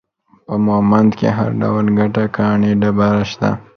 په مومند کې هر ډول ګټه ، کاڼي ، ډبره، شته